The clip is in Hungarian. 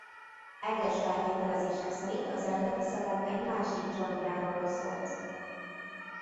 Egyes feltételezések szerint az eredeti szöveg egy másik John Brownról szólt.